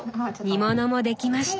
煮物も出来ました。